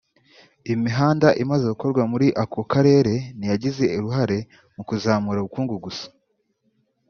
Imihanda imaze gukorwa muri ako karere ntiyagize uruhare mu kuzamura ubukungu gusa